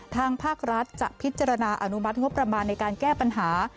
ทางภาครัฐจะพิจารณาอนุมัติงบประมาณในการแก้ปัญหา